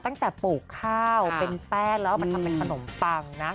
ตั้งแต่ปลูกข้าวเป็นแป้นแล้วมันทำเป็นขนมปังนะ